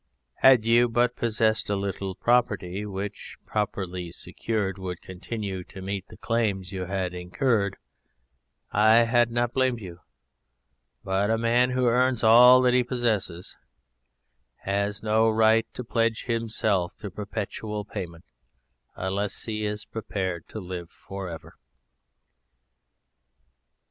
Had you but possessed a little property which, properly secured, would continue to meet the claims you had incurred, I had not blamed you. But a man who earns all that he possesses has no right to pledge himself to perpetual payment unless he is prepared to live for ever!"